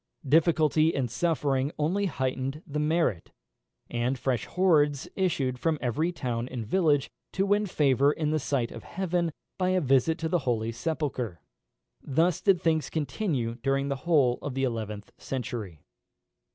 Difficulty and suffering only heightened the merit, and fresh hordes issued from every town and village, to win favour in the sight of heaven by a visit to the holy sepulchre. Thus did things continue during the whole of the eleventh century.